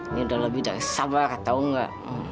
ini udah lebih dari sabar tau nggak